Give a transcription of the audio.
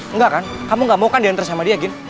enggak kan kamu gak mau kan diantar sama dia gitu